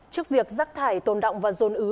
trước việc rắc thải tồn động và dồn ứ